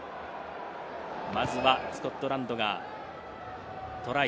まずはスコットランドがトライ。